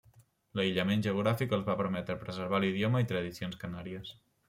L'aïllament geogràfic els va permetre preservar l'idioma i tradicions canàries.